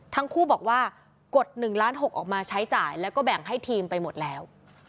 ทั้งคู่บอกว่ากด๑ล้าน๖ออกมาใช้จ่ายแล้วก็แบ่งให้ทีมไปหมดแล้ว